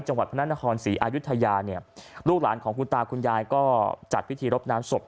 จังหวัดพระนครศรีอายุทยาเนี่ยลูกหลานของคุณตาคุณยายก็จัดพิธีรบน้ำศพ